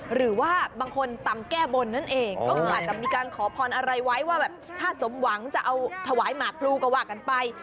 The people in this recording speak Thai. หรือว่าบางคนตำแก้บนนั่นเองก็คืออาจจะมีการขอพรอะไรไว้ว่าแบบถ้าสมหวังจะเอาถวายหมากพลูก็ว่ากันไป